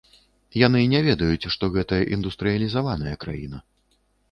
Яны не ведаюць, што гэта індустрыялізаваная краіна.